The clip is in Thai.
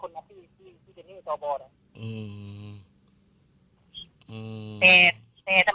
อื้อวันนี้มันก็กินเงินไปเทาะทอดหรือเปล่าครับ